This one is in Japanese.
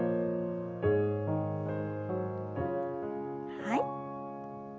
はい。